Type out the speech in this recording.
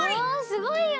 すごいよね！